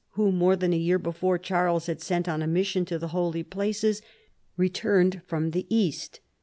whom more than a year before Charles had sent on a mission to the holy places, returned from the East.